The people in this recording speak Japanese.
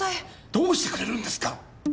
どうしてくれるんですか？